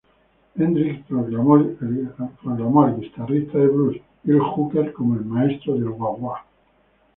Hendrix proclamó al guitarrista de blues Earl Hooker como el "maestro del wah-wah".